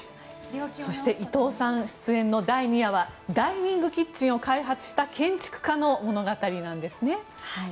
そして伊藤さん出演の第２夜はダイニングキッチンを開発した建築家の物語なんですね。